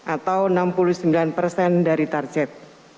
atau enam puluh sembilan persen dari target